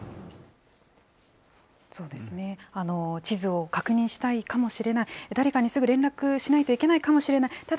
地図を確認したいかもしれない、誰かにすぐ連絡しないといけないかもしれない。